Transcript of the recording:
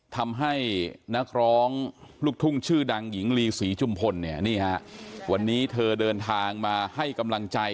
ทำให้นักร้องลูกทุ่งชื่อดังหญิงลีศรีจุมพลเนี่ยนี่ฮะวันนี้เธอเดินทางมาให้กำลังใจ